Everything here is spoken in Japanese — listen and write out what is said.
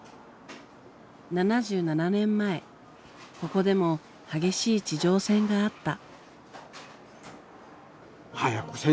７７年前ここでも激しい地上戦があった。